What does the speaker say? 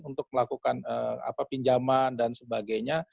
untuk melakukan pinjaman dan sebagainya